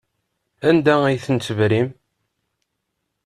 Anda ay tent-tebrim?